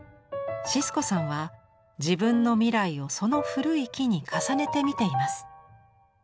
シスコさんは自分の未来をその古い木に重ねて見ています。